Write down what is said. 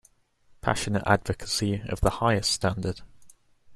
Passionate advocacy of the highest standard.